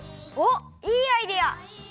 おっいいアイデア！